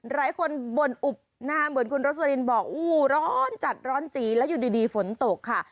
หลายคนบ่นอุบหน้าเหมือนคุณโรสลินบอกอู้ร้อนจัดร้อนจีแล้วอยู่ดีฝนตกค่ะ